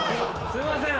すいません。